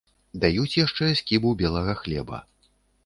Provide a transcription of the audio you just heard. Даюць яшчэ скібу белага хлеба.